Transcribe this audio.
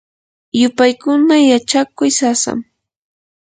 yupaykuna yachakuy sasam.